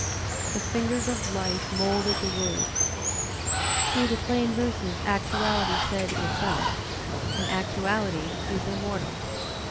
The fingers of life moulded the words. Through the plain verses actuality said itself, and actuality is immortal.